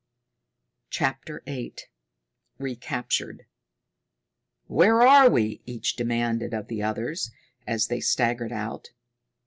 CHAPTER VIII Recaptured "Where are we?" each demanded of the other, as they staggered out.